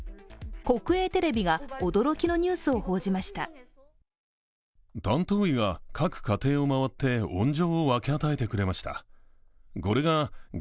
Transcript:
国営テレビが驚きのニュースを報じました。